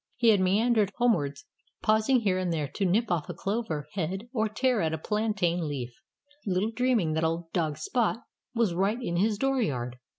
He had meandered homewards, pausing here and there to nip off a clover head or tear at a plantain leaf, little dreaming that old dog Spot was right in his door yard.